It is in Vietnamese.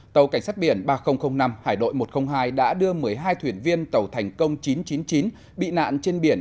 tàu cảnh sát biển ba nghìn năm hải đội một trăm linh hai đã đưa một mươi hai thuyền viên tàu thành công chín trăm chín mươi chín bị nạn trên biển